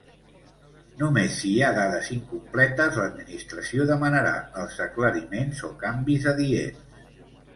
Només si hi ha dades incompletes l'administració demanarà els aclariments o canvis adients.